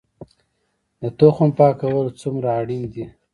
د تخم پاکول څومره اړین دي؟